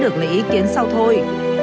được lấy ý kiến sau thôi